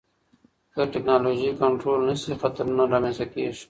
که ټکنالوژي کنټرول نشي، خطرونه رامنځته کېږي.